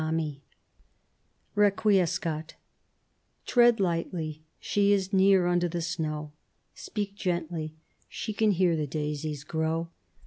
POEMS REQUIESCAT TREAD lightly, she is near Under the snow, Speak gently, she can hear The daisies grow.